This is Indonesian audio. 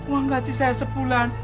uang gaji saya sebulan